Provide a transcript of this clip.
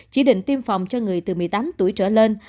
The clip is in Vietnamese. chỉ định tiêm phòng cho người từ một mươi tám tuổi trở lên